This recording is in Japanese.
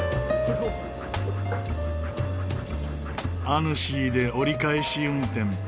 アヌシーで折り返し運転。